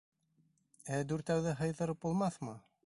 Ә дүртәүҙе һыйҙырып булмаҫмы?